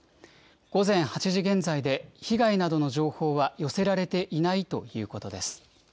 午前８時現在で、被害などの情報は寄せられていないということです。